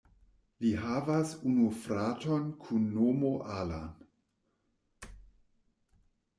Li havas unu fraton kun nomo Alan.